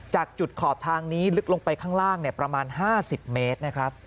จากจุดขอบทางนี้ลึกลงไปข้างล่างประมาณ๕๐เมตรนะครับ